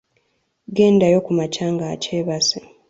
Gendayo kumakya ng'akyebase.